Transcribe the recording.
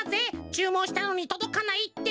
「ちゅうもんしたのにとどかない」って。